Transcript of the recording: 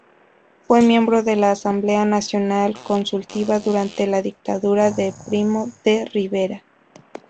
Fue miembro de la Asamblea Nacional Consultiva durante la dictadura de Primo de Rivera.